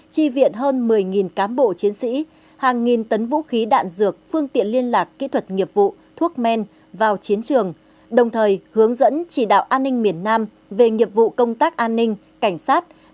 chi viện hơn một mươi cán bộ chiến sĩ hàng nghìn tấn vũ khí đạn dược phương tiện liên lạc kỹ thuật nghiệp vụ thuốc men vào chiến trường đồng thời hướng dẫn chỉ đạo an ninh miền nam về nghiệp vụ công tác an ninh cảnh sát